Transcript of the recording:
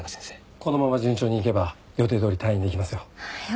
このまま順調にいけば予定どおり退院できますよ。